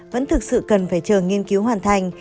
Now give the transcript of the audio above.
vẫn thực sự cần phải chờ nghiên cứu hoàn thành